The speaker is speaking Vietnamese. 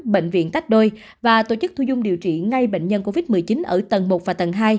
bệnh viện tách đôi và tổ chức thu dung điều trị ngay bệnh nhân covid một mươi chín ở tầng một và tầng hai